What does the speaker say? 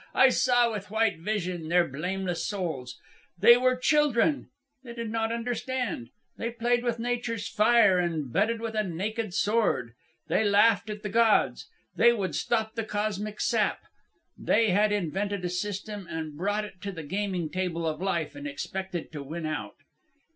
I saw with white vision their blameless souls. They were children. They did not understand. They played with Nature's fire and bedded with a naked sword. They laughed at the gods. They would stop the cosmic sap. They had invented a system, and brought it to the gaming table of life, and expected to win out.